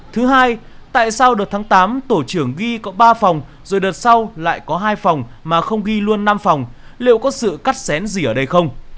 thứ hai tại sao đợt tháng tám tổ trưởng ghi có ba phòng rồi đợt sau lại có hai phòng mà không ghi luôn năm phòng liệu có sự cắt xén gì ở đây không